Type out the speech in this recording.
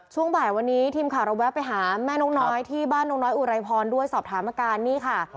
ช่วงบ่ายวันนี้ทีมข่าวเราแวะไปหาแม่นกน้อยที่บ้านนกน้อยอุไรพรด้วยสอบถามอาการนี่ค่ะ